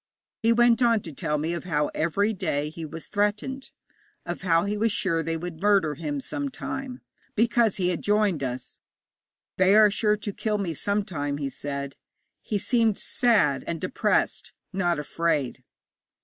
He went on to tell me of how every day he was threatened, of how he was sure they would murder him some time, because he had joined us. 'They are sure to kill me some time,' he said. He seemed sad and depressed, not afraid.